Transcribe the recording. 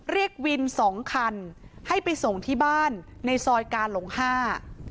เรียกวินสองคันให้ไปส่งที่บ้านในซอยกาหลงห้า